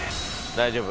大丈夫。